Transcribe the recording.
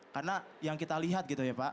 karena yang kita lihat